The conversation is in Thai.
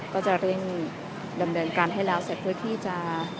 ก็จะเร่งดำเนินการให้แล้วเสร็จเพื่อที่จะ